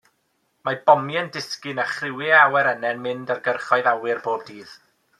Mae bomiau'n disgyn a chriwiau awyrennau'n mynd ar gyrchoedd awyr bob dydd.